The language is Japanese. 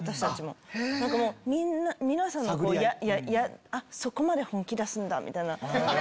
皆さんのこうあっそこまで本気出すんだ！みたいな。